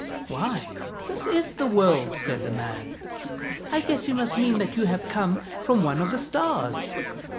"" Why, this is the world," said the man. " I guess you must mean that you have come from one of the stars."